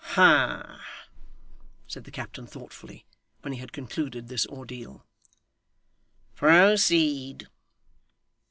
'Ha!' said the captain, thoughtfully, when he had concluded this ordeal. 'Proceed.